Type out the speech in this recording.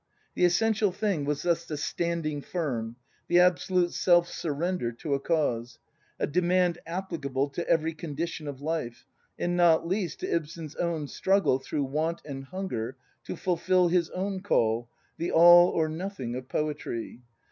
The essential thing was thus the standing firm, the ab solute self surrender to a cause, — a demand applicable to every condition of life; and not least to Ibsen's own struggle, through want and hunger, to fulfil his own call, the All or Nothing of poetry.